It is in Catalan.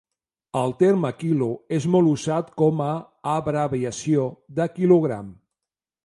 El terme quilo és molt usat com a abreviació de quilogram.